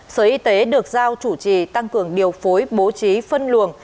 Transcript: sở y tế được giao chủ trì tăng cường điều phối bố trí phân luồng